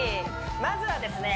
まずはですね